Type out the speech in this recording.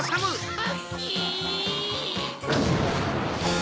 あ！